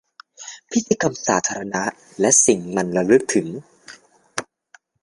พิธีกรรมสาธารณะและสิ่งมันระลึกถึง